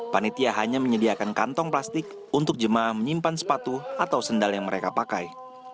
panitia hanya menyediakan kantong plastik untuk jemaah menyimpan sepatu atau sendal yang mereka pakai